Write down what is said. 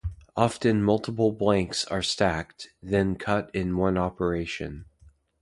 Often multiple blanks are stacked, then cut in one operation.